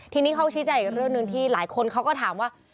ทีนี้เขาชี้แจงอีกเรื่องหนึ่งที่หลายคนเขาก็ถามว่า